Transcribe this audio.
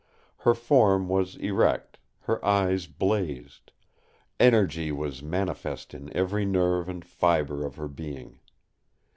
Her form was erect, her eyes blazed; energy was manifest in every nerve and fibre of her being.